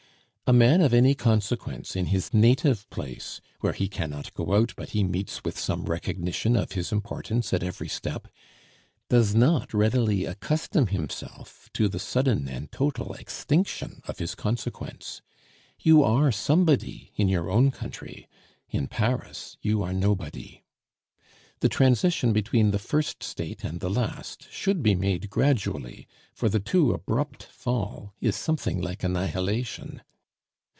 A man of any consequence in his native place, where he cannot go out but he meets with some recognition of his importance at every step, does not readily accustom himself to the sudden and total extinction of his consequence. You are somebody in your own country, in Paris you are nobody. The transition between the first state and the last should be made gradually, for the too abrupt fall is something like annihilation.